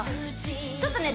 ちょっとね